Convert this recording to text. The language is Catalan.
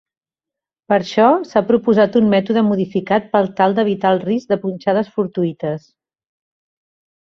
Per això, s'ha proposat un mètode modificat per tal d'evitar el risc de punxades fortuïtes.